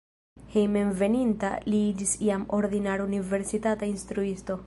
Hejmenveninta li iĝis jam ordinara universitata instruisto.